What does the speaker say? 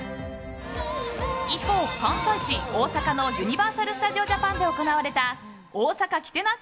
一方、開催地・大阪のユニバーサル・スタジオ・ジャパンで行われた大阪来てな！